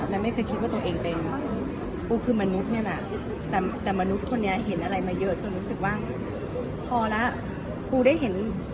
และไม่เคยคิดว่าตัวเองเป็น